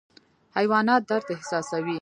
حیوانات درد احساسوي